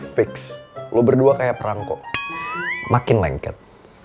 fix lo berdua kayak perang kok makin lengket